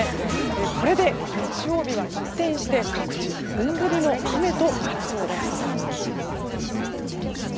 これで日曜日は一転して、各地で本降りの雨となりそうです。